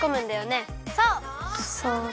そう。